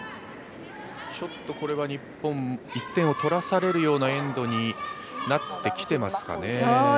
これは日本、１点を取らされるようなエンドになってきていますかね。